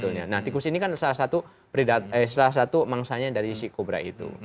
betul nah tikus ini kan salah satu mangsanya dari si kobra itu